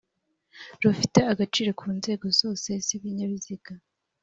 rufite agaciro ku nzego zose z'ibinyabiziga.